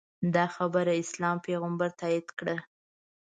دا خبره اسلام پیغمبر تاییده کړه